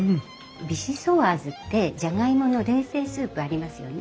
ビシソワーズってじゃがいもの冷製スープありますよね。